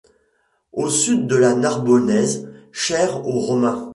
Au sud la Narbonnaise, chère aux Romains.